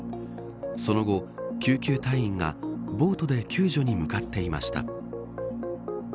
その後、救急隊員がボートで救助に向かっていました。